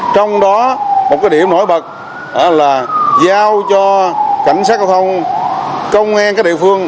trong đó một điểm nổi bật là giao cho cảnh sát giao thông công an các địa phương